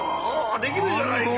できるじゃないか！